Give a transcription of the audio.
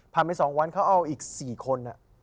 ผ่านไป๒วันเขาก็เอาอีก๔คนอ่ะ